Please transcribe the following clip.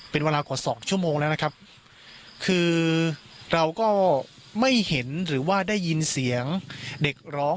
เป็นเวลากว่าสองชั่วโมงแล้วนะครับคือเราก็ไม่เห็นหรือว่าได้ยินเสียงเด็กร้อง